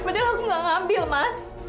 padahal aku nggak ngambil mas